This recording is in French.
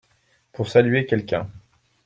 Pour saluer quelqu’un.